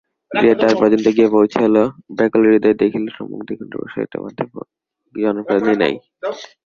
গৃহের দ্বার পর্যন্ত গিয়া পৌঁছিল, ব্যাকুল হৃদয়ে দেখিল সম্মুখে দিগন্তপ্রসারিত মাঠে জনপ্রাণী নাই।